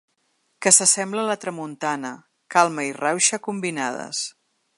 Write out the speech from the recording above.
Que s’assembla a la tramuntana: calma i rauxa combinades.